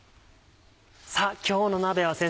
さぁ今日の鍋は先生